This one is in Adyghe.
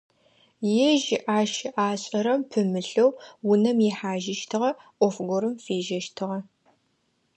Ежь ащ ашӀэрэм пымылъэу, унэм ихьажьыщтыгъэ, Ӏоф горэм фежьэщтыгъэ.